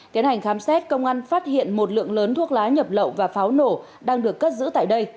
tiến hành khám xét công an phát hiện một lượng lớn thuốc lá nhập lậu và pháo nổ đang được cất giữ tại đây